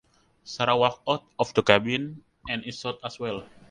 Sara walks out of the cabin and is shot as well.